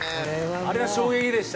あれは衝撃でした。